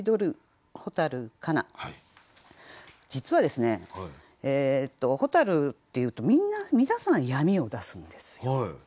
実はですね「蛍」っていうと皆さん「闇」を出すんですよ。